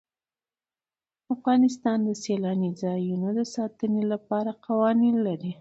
افغانستان د سیلانی ځایونه د ساتنې لپاره قوانین لري.